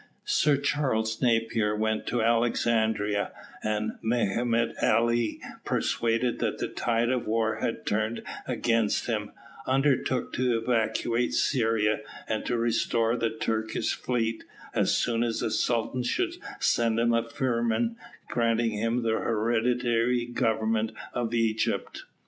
Sir Charles Napier went to Alexandria, and Mehemet Ali, persuaded that the tide of war had turned against him, undertook to evacuate Syria, and to restore the Turkish fleet, as soon as the Sultan should send him a firman, granting him the hereditary government of Egypt.